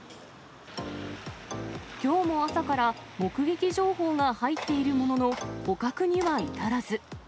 きょうも朝から目撃情報が入っているものの、捕獲には至らず。